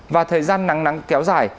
và thời gian nắng nắng kéo dài